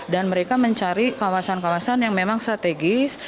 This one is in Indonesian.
dan mereka mencari kawasan kawasan yang memang strategis